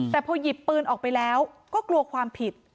แต่พอหยิบปืนออกไปแล้วก็กลัวความผิด